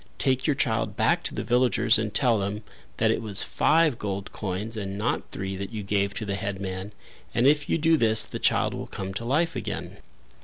Take your child back to the villagers and tell them that it was five gold coins and not three that you gave to the headman and if you do this the child will come to life again."